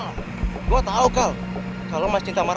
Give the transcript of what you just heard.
nah jesu banget em yuk kita kawal